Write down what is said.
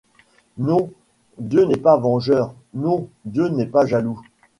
Non, Dieu n’est pas vengeur ! non, Dieu n’est pas jaloux !